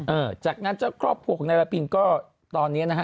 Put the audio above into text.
จากนั้นเจ้าครอบครัวของนายวาพินก็ตอนนี้นะฮะ